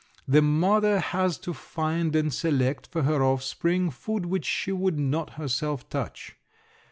The mother has to find and select for her offspring food which she would not herself touch.